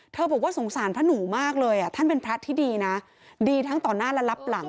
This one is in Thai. บอกว่าสงสารพระหนูมากเลยท่านเป็นพระที่ดีนะดีทั้งต่อหน้าและรับหลัง